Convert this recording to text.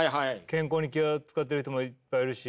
健康に気を遣ってる人もいっぱいいるし。